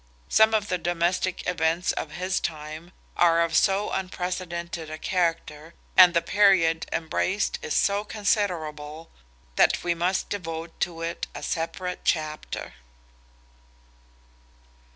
Some of the domestic events of his time are of so unprecedented a character, and the period embraced is so considerable, that we must devote to it a separate chapter.